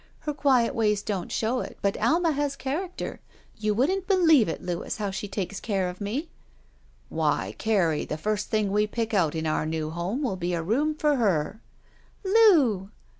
Her quiet ways don't show it, but Ahna has character! You wouldn't bdieve it, Louis, how she takes care of me. "Why, Carrie, the first thing we pick out in our new home will be a room for her." "Loo!"